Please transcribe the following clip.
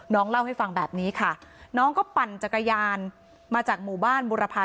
น้องเล่าให้ฟังแบบนี้ค่ะน้องก็ปั่นจักรยานมาจากหมู่บ้านบุรพา